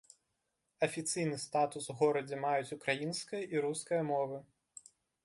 Афіцыйны статус у горадзе маюць украінская і руская мовы.